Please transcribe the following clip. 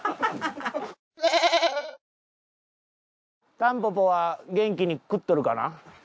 タンポポは元気に食っとるかな？